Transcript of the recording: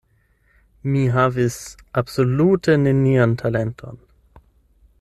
Mi havis absolute nenian talenton.